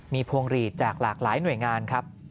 มีพวงหลีดจากหลากหลายหน่วยงานครับ